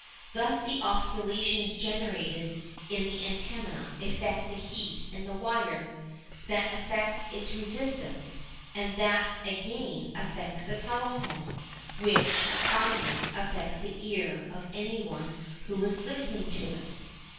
Thus the oscillations generated in the antenna affect the heat in the wire; that affects its resistance; and that again affects the telephone, which, finally, affects the ear of anyone who is listening to it.